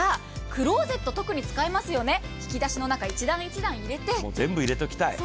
クローゼット、特に使いますよね、引き出しの中、１段１段入れておきたい。